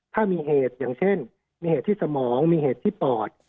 ถ้ามีเหตุอย่างเช่นมีเหตุที่สมองมีเหตุที่ปอด